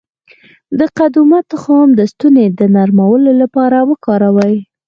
د قدومه تخم د ستوني د نرمولو لپاره وکاروئ